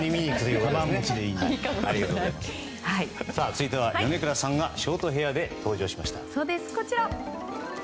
続いては米倉さんがショートヘアで登場しました。